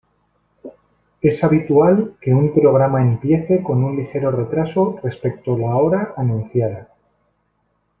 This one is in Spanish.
Es habitual que un programa empiece con un ligero retraso respecto la hora anunciada.